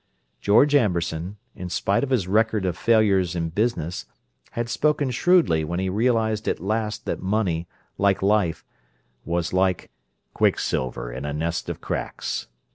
George Amberson, in spite of his record of failures in business, had spoken shrewdly when he realized at last that money, like life, was "like quicksilver in a nest of cracks."